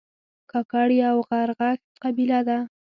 کاکړ یو غرغښت قبیله ده